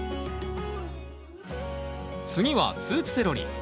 次はスープセロリ。